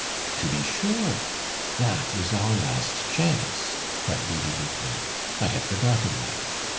"To be sure! That is our last chance," cried Bibi Lupin. "I had forgotten that.